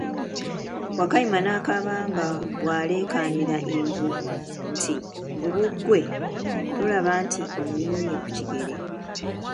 Wakayima n'akaaba nga bw'alekaanira envubu nti, nvubu gwe, tolaba nti onninye ku kigere?